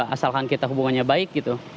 asalkan kita hubungannya baik gitu